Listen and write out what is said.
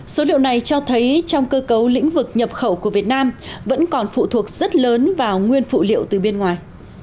số liệu này cho thấy trong cơ cấu lĩnh vực nhập khẩu của việt nam vẫn còn phụ thuộc rất lớn vào nguyên phụ liệu từ bên ngoài